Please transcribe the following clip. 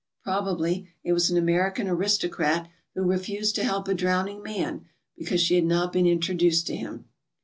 Probably it was an American aristocrat who refused to help a drowning man because she had noit been introduced to him.